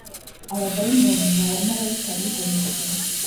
Abadayimoni ni abamarayika bigometse